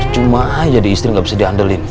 cuma aja di istri nggak bisa diandalkan